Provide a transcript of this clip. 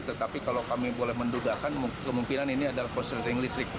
tetapi kalau kami boleh mendudakan kemungkinan ini adalah fossil ring listrik